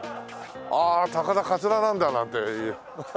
「ああ高田かつらなんだ」なんてハハハ。